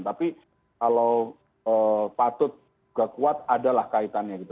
tapi kalau patut juga kuat adalah kaitannya gitu